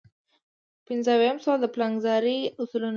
پنځه اویایم سوال د پلانګذارۍ اصلونه دي.